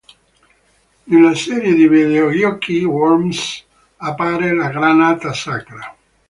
Nella serie di videogiochi "Worms" appare la Granata Sacra.